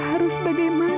aku harus bagaimana